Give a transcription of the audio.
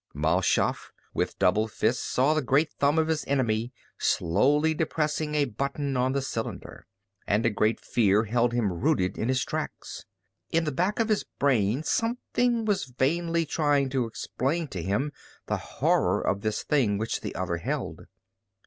Mal Shaff, with doubled fists, saw the great thumb of his enemy slowly depressing a button on the cylinder, and a great fear held him rooted in his tracks. In the back of his brain something was vainly trying to explain to him the horror of this thing which the other held.